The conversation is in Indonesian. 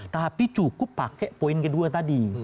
tapi cukup pakai poin kedua tadi